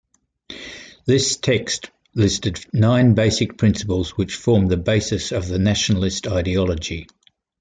This text listed nine basic principles which formed the basis of the nationalist ideology.